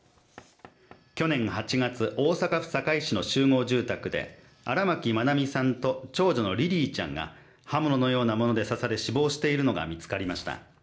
去年８月大阪府堺市の集合住宅で荒牧愛美さんと長女のリリィちゃんが刃物のようなもので刺され死亡しているのが見つかりました。